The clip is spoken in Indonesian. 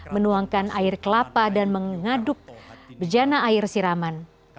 menuangkan air kelapa dan mengaduk bejana air siraman